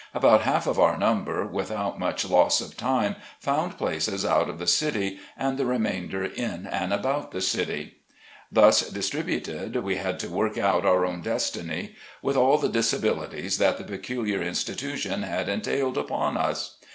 About half of our number, with out much loss of time, found places out of the city, and the remainder in and about the city. IN BOSTON. 31 Thus distributed, we had to work out our own destiny with all the disabilities that the peculiar institution had entailed upon us.